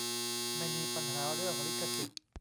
ไม่มีปัญหาเรื่องลิขสิทธิ์